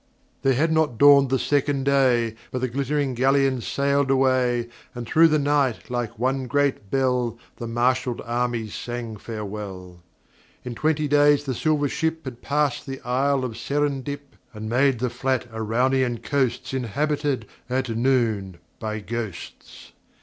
There had not dawned the second day But the glittering galleon sailed away, And through the night like one great bell The marshalled armies sang farewell. In twenty days the silver ship Had passed the Isle of Serendip, And made the flat Araunian coasts Inhabited, at noon, by Ghosts.